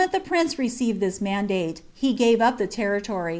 mt ihe prince rticeived this manrlalc, lie gave up ihe terrilory.